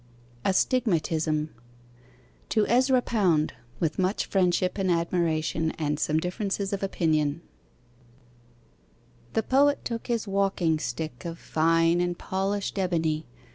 Astigmatism To Ezra Pound With much friendship and admiration and some differences of opinion The Poet took his walking stick Of fine and polished ebony.